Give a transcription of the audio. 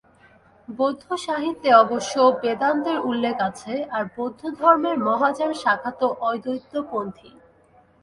বৌদ্ধসাহিত্যে অবশ্য বেদান্তের উল্লেখ আছে, আর বৌদ্ধধর্মের মহাযান শাখা তো অদ্বৈতপন্থী।